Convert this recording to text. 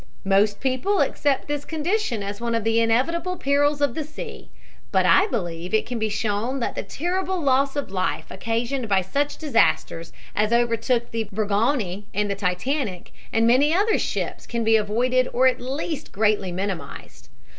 "Most people accept this condition as one of the inevitable perils of the sea, but I believe it can be shown that the terrible loss of life occasioned by such disasters as overtook the Bourgogne and the Titanic and many other ships can be avoided or at least greatly minimized.